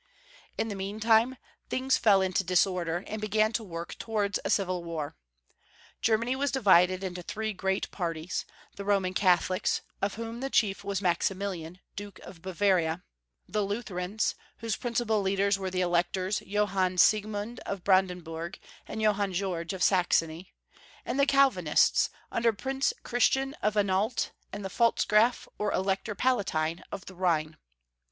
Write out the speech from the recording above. In the meantime things fell into disorder, and began to work towards a civU war. Germany was divided into three great parties — the Roman Catholics, of whom the chief was Maximilian, Duke of Bavaria ; the Lutherans, whose principal leaders were the Electors, Johann Siegmund of Branden burg and Johann George of Saxony ; and the Cal vinists, under Prince Christian of Anhalt and the Pfalzgraf or Elector Palatine of the Rhine.